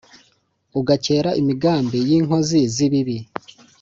ugakēra imigambi y’inkozi z’ibibi’